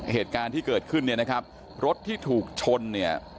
เหตุการณ์ที่เกิดขึ้นเนี่ยนะครับรถที่ถูกชนเนี่ย